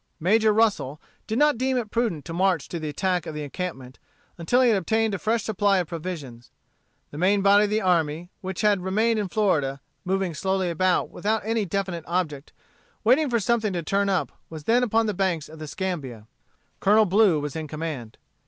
Major Russel did not deem it prudent to march to the attack of the encampment, until he had obtained a fresh supply of provisions. The main body of the army, which had remained in Florida, moving slowly about, without any very definite object, waiting for something to turn up was then upon the banks of the Scambia. Colonel Blue was in command.